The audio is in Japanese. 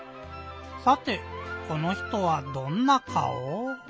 さてこの人はどんなかお？